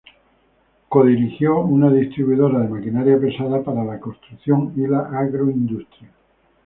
Codirigió una distribuidora de maquinaria pesada para la construcción y la agroindustria.